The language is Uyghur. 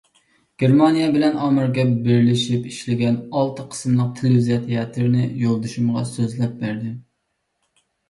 گېرمانىيە بىلەن ئامېرىكا بىرلىشىپ ئىشلىگەن ئالتە قىسىملىق تېلېۋىزىيە تىياتىرىنى يولدىشىمغا سۆزلەپ بەردىم.